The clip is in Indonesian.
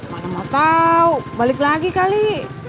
mana mau tau balik lagi kali